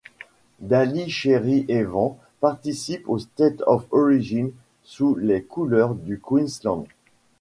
Daly Cherry-Evans participe au State of Origin sous les couleurs du Queensland.